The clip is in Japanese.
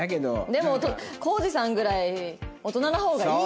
でもコージさんぐらい大人な方がいいよ。